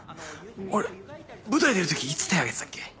俺舞台出る時いつ手上げてたっけ？